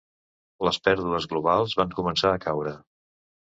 Les pèrdues globals van començar a caure.